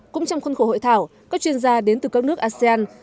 cũng trong khuôn khổ hội thảo các chuyên gia đến từ các nước asean